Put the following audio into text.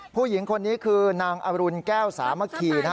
ผู้หญิงคนนี้คือนางอรุณแก้วสามัคคีนะฮะ